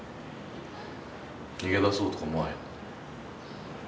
逃げ出そうとか思わへんの？